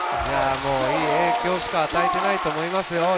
いい影響しか与えていないと思いますよ。